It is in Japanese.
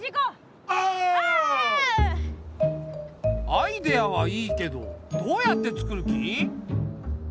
アイデアはいいけどどうやってつくる気？